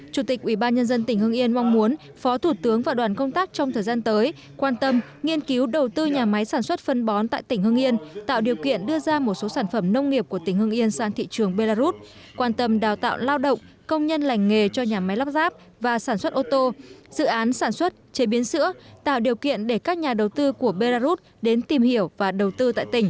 chủ tịch ủy ban nhân dân tỉnh hưng yên mong muốn phó thủ tướng và đoàn công tác trong thời gian tới quan tâm nghiên cứu đầu tư nhà máy sản xuất phân bón tại tỉnh hưng yên tạo điều kiện đưa ra một số sản phẩm nông nghiệp của tỉnh hưng yên sang thị trường belarus quan tâm đào tạo lao động công nhân lành nghề cho nhà máy lắp ráp và sản xuất ô tô dự án sản xuất chế biến sữa tạo điều kiện để các nhà đầu tư của belarus đến tìm hiểu và đầu tư tại tỉnh